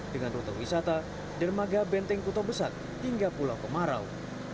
dengan rute wisata dermaga benteng kutobesat hingga pulau kemarau